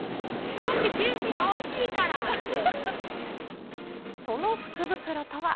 すごくジューシーでおいしいその福袋とは。